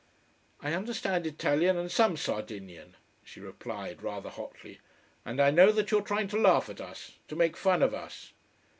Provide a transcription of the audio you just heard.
"I understand Italian and some Sardinian," she replied rather hotly. "And I know that you are trying to laugh at us to make fun of us."